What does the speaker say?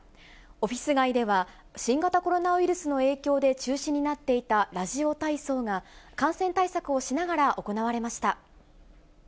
オフィス街では、新型コロナウイルスの影響で中止になっていたラジオ体操が、感染対策をしながら行われました。